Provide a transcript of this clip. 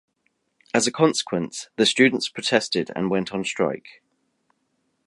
As a consequence, the students protested and went on strike.